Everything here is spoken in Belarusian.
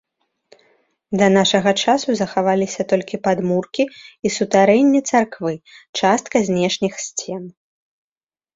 Да нашага часу захаваліся толькі падмуркі і сутарэнні царквы, частка знешніх сцен.